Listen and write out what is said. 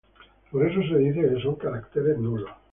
Por eso se dice que son caracteres nulos.